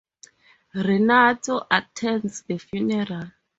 Renato attends the funeral.